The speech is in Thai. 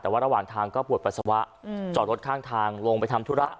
แต่ว่าระหว่างทางก็ปวดปัสสาวะจอดรถข้างทางลงไปทำธุระ